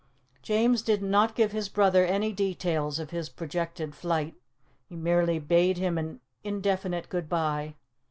James did not give his brother any details of his projected flight; he merely bade him an indefinite good bye.